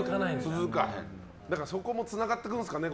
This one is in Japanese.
そこもつながってくるんですかね。